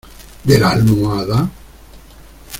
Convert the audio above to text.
de la almohada?